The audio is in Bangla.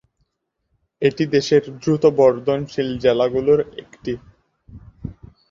এটি দেশের দ্রুত বর্ধনশীল জেলাগুলির একটি।